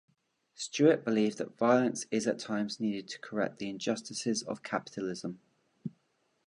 Stewart believed that violence is at times needed to correct the injustices of capitalism.